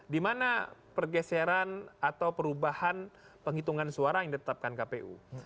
di mana pergeseran atau perubahan penghitungan suara yang ditetapkan kpu